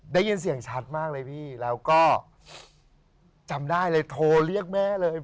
ได้ยินเสียงชัดมากเลยพี่แล้วก็จำได้เลยโทรเรียกแม่เลย